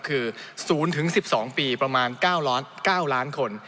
คือ๐๑๒ปีประมาณ๙ล้านคน